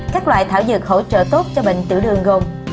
các loại thảo dược hỗ trợ tốt cho bệnh tiểu đường gồm